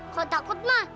kau takut mah